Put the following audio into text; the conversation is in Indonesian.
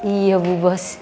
iya bu bos